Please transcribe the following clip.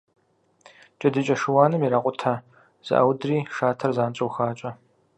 Джэдыкӏэ шыуаным иракъутэ, зэӏаудри шатэр занщӏэу хакӏэ.